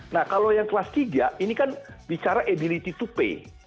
nah kalau yang kelas tiga ini kan bicara ability to pay